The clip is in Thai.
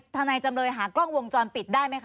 นายจำเลยหากล้องวงจรปิดได้ไหมคะ